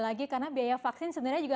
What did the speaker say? lagi karena biaya vaksin sebenarnya juga